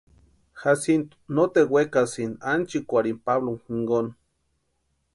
Jacintu noteru wekasïnti anchikwarhini Pablo jinkoni.